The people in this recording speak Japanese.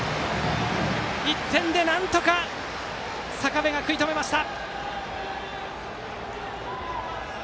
１点でなんとか坂部が食い止めました。